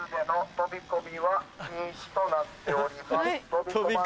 飛び込み。